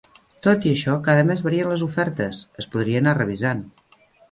Tot i això, cada mes varien les ofertes, es podria anar revisant.